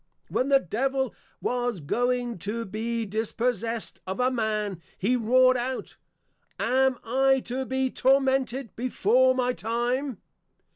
When the Devil was going to be Dispossessed of a Man, he Roar'd out, _Am I to be Tormented before my time?